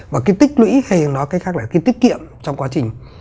và cái tích lũy hay nói cách khác là cái tiết kiệm trong quá trình